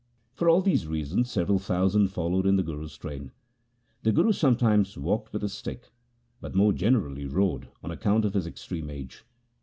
For all these reasons several thousands followed in the Guru's train. The Guru sometimes walked with a stick, but more generally rode, on account of his extreme age.